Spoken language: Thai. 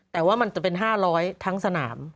แต่ว่ามันจะเป็น๕๐๐ทั้งสนาม